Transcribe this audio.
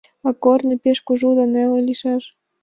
А корно пеш кужу да неле лийшаш.